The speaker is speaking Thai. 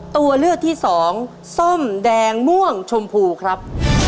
ตัวเลือกที่สองส้มแดงม่วงชมพูครับ